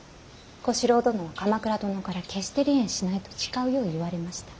小四郎殿は鎌倉殿から決して離縁しないと誓うよう言われました。